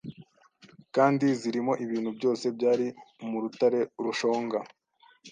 kandi zirimo ibintu byose byari murutare rushonga